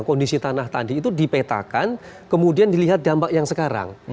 kondisi tanah tadi itu dipetakan kemudian dilihat dampak yang sekarang